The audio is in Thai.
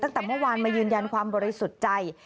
ตั้งแต่เมื่อวานมายืนยันความบริสุทธิ์ใจ